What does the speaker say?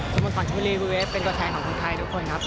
สโมสรชมบุรีบูเวฟเป็นตัวแทนของคนไทยทุกคนครับ